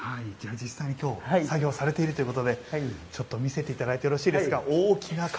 実際に作業をされているということで見せていただいてよろしいですか。